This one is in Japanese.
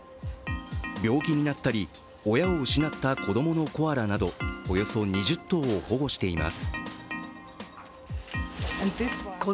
病気になったり、親を失った子供のコアラなどおよそ２０頭を保護しています。